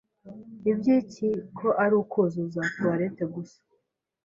iby’iki ko ari ukuzuza toilette gusa